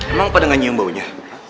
emang pada gak nyium baunya